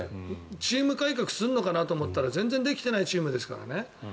チーム改革するのかなと思ったら全然できていないチームですからね。